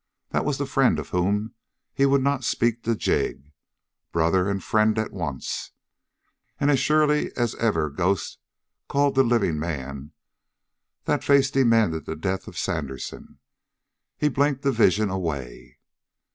That was the friend of whom he would not speak to Jig, brother and friend at once. And as surely as ever ghost called to living man, that face demanded the death of Sandersen. He blinked the vision away.